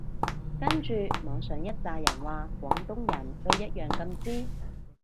跟住網上一柞人話廣東人都一樣咁支